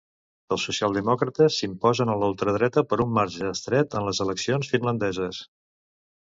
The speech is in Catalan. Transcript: Els socialdemòcrates s'imposen a la ultradreta per un marge estret en les eleccions finlandeses.